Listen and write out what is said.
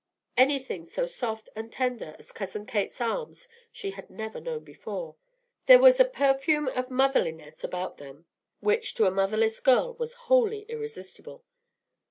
Anything so soft and tender as Cousin Kate's arms she had never known before; there was a perfume of motherliness about them which to a motherless girl was wholly irresistible.